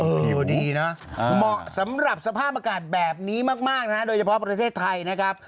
อยู่ดีนะเหมาะสำหรับสภาพอากาศแบบนี้มากนะโดยเฉพาะประเทศไทยนะครับ